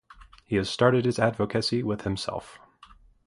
He has started his advocacy with himself.